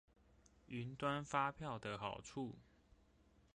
雲端發票的好處